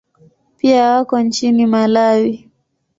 Pia wako nchini Malawi.